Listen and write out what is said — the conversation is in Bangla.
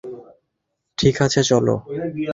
ঠিক আছে, চলো!